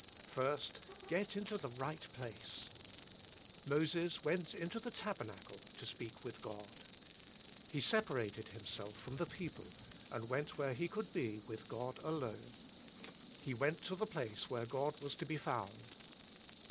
First, Get into the Eight Place. *^ Moses went into the tabernacle to speak with God.'' He 23 24 The Inner Chamber separated himself from the people, and went where he could be with God alone. He^went to the pla^e where God was to be found.